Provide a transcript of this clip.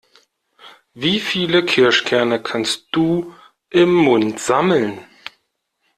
Wie viele Kirschkerne kannst du im Mund sammeln?